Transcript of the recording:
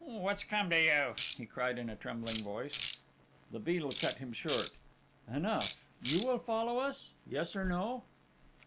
"What's come to you?" he cried in a trembling voice. The Beadle cut him short. "Enough! Will you follow us? Yes or no?"